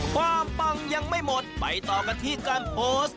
ปังยังไม่หมดไปต่อกันที่การโพสต์